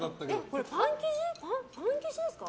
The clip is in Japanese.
これ、パン生地ですか？